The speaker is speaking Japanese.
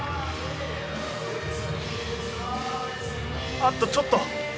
あっとちょっと。